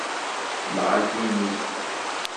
Nɣant-iyi-t.